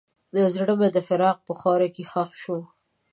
زړه مې د فراق په خاوره کې ښخ شو.